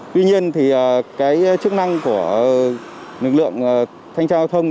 tuy nhiên chức năng của lực lượng thanh trao thông